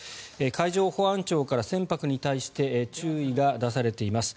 海上保安庁から船舶に対して注意が出されています。